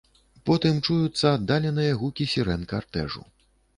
Потым чуюцца аддаленыя гукі сірэн картэжу.